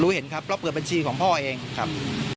เห็นครับเราเปิดบัญชีของพ่อเองครับ